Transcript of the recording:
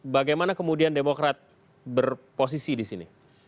bagaimana kemudian demokrat berposisi di sini